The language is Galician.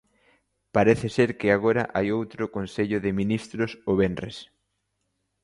Parece ser que agora hai outro consello de ministros o venres.